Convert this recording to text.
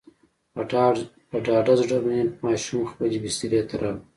په ډاډه زړه مې ماشوم خپلې بسترې ته راووړ.